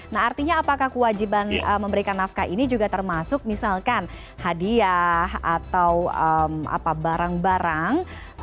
nah artinya apakah kewajiban memberikan nafkah ini juga termasuk misalkan hadiah atau barang barang